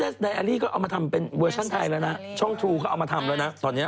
นายแอลลี่ก็เอามาทำเป็นเวอร์ชั่นไทยแล้วนะช่องทรูก็เอามาทำแล้วนะตอนนี้